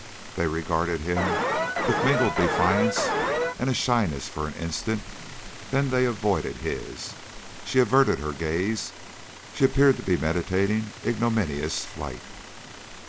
They regarded him with mingled defiance and shyness for an instant, then they avoided his; she averted her gaze; she appeared to be meditating ignominious flight.